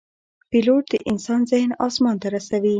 پیلوټ د انسان ذهن آسمان ته رسوي.